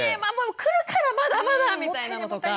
来るからまだまだみたいなのとか。